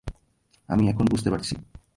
আমি এখন বুঝতে পারছি।